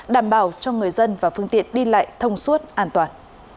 đảm bảo cho người dân và phương tiện đi lại thông suốt an toàn